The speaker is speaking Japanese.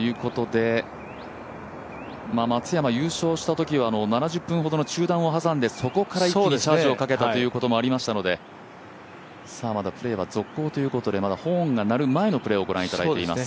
松山、優勝したときは７０分ほどの中断を挟んでそこから一気にチャージをかけたということもありましたのでまだプレーは続行ということでホーンが鳴る前のプレーをご覧いただいています。